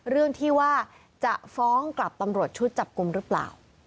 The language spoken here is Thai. เรื่องที่ว่าจะฟ้องกลับตำรวจชุดจับกลุ่มหรือเปล่า